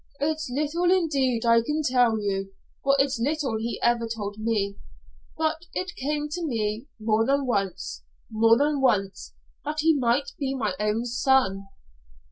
"It's little indeed I can tell you, for it's little he ever told me, but it came to me more than once more than once that he might be my own son."